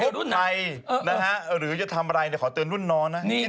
ต้องรอต่อเมื่อตอนนี้